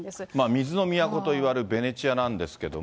水の都といわれるベネチアなんですけども。